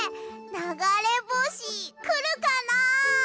ながれぼしくるかなあ？